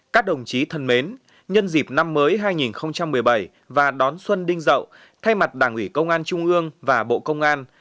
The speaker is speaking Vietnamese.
các đồng chí thân mến nhân dịp năm mới hai nghìn một mươi bảy và đón xuân đinh rậu thay mặt đảng ủy công an trung ương và bộ công an